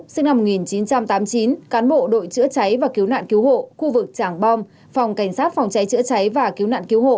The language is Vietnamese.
sinh năm một nghìn chín trăm tám mươi chín cán bộ đội chữa cháy và cứu nạn cứu hộ khu vực tràng bom phòng cảnh sát phòng cháy chữa cháy và cứu nạn cứu hộ